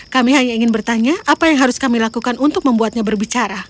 kami hanya ingin bertanya apa yang harus kami lakukan untuk membuatnya berbicara